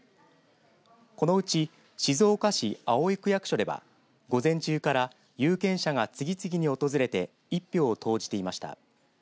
このうち静岡市葵区役所では午前中から有権者が次々に訪れて一票を投じていました。